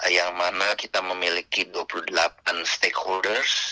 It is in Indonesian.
yang mana kita memiliki dua puluh delapan stakeholders